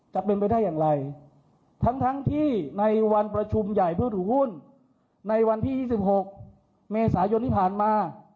จะเป็นไปได้อย่างไรทั้งที่ในวันประชุมใหญ่เพื่อถือหุ้นในวันที่๒๖เมษายนที่ผ่านมา